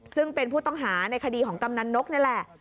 ซึ่งเป็นผู้ต้องหาในคดีของกำนันนกนี่แหละ